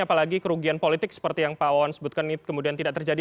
apalagi kerugian politik seperti yang pak wawan sebutkan kemudian tidak terjadi